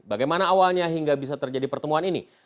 bagaimana awalnya hingga bisa terjadi pertemuan ini